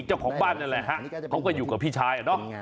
เจ้าของบ้านนั่นแหละฮะเขาก็อยู่กับพี่ชายอะเนาะ